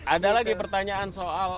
ada lagi pertanyaan soal